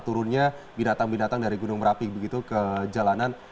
turunnya binatang binatang dari gunung merapi begitu ke jalanan